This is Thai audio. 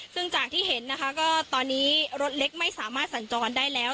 ซึ่งจากที่เห็นนะคะก็ตอนนี้รถเล็กไม่สามารถสัญจรได้แล้ว